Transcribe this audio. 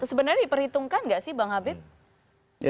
terus sebenarnya diperhitungkan gak sih bang habib partai bulan bintang